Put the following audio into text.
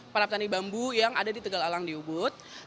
para petani bambu yang ada di tegal alang di ubud